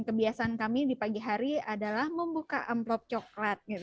dan kebiasaan kami di pagi hari adalah membuka amplop coklat